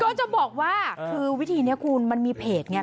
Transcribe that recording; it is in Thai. ก็จะบอกว่าคือวิธีนี้คุณมันมีเพจไง